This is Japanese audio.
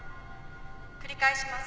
繰り返します。